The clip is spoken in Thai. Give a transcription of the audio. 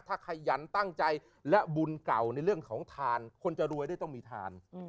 ถ้าขยันตั้งใจและบุญเก่าในเรื่องของทานคนจะรวยได้ต้องมีทาน